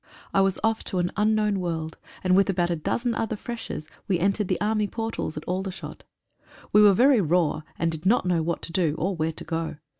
I was off to an unknown world, and with about a dozen other freshers, we entered the army portals at Aldershot. We were very raw, and did not know what to do, or where to go.